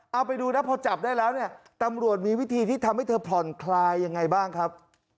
เอาไปดูนะพอจับได้แล้วเนี่ยตำรวจมีวิธีที่ทำให้เธอผ่อนคลายยังไงบ้างครับ